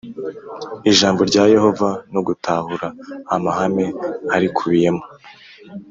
Ijambo rya Yehova no gutahura amahame arikubiyemo